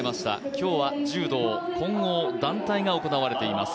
今日は、柔道混合団体が行われています。